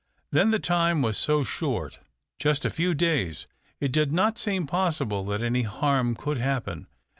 Then the time was so short — ^just a few days — it did not seem possible that any harm could happen.